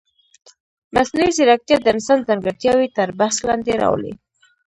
مصنوعي ځیرکتیا د انسان ځانګړتیاوې تر بحث لاندې راولي.